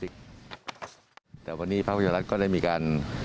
แก้ไว้ให้พวกพูดมากากว่า